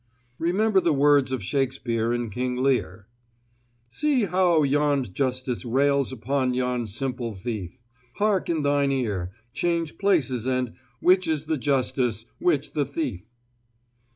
Remember the words of Shakespeare in King Lear: "... .See how yond justice rails upon yond simple thief. Hark in thine ear: change places; and .... which is the justice, which the thief?"